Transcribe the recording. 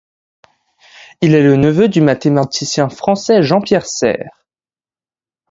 Il est le neveu du mathématicien français Jean-Pierre Serre.